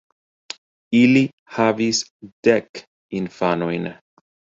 Ili havis dek infanojn.